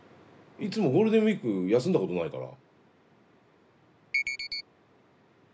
いつもゴールデンウイーク休んだことないから。